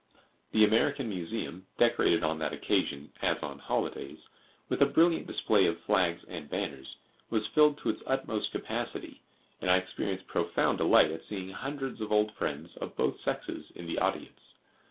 The American Museum, decorated on that occasion, as on holidays, with a brilliant display of flags and banners, was filled to its utmost capacity, and I experienced profound delight at seeing hundreds of old friends of both sexes in the audience.